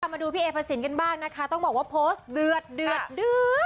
ต่อมาดูพี่เอย์ภาษีนกันบ้างนะคะต้องบอกว่าโพสต์เดือด